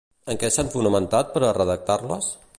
En què s'han fonamentat per a redactar-les?